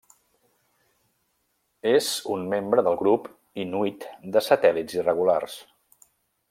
És un membre del grup Inuit de satèl·lits irregulars.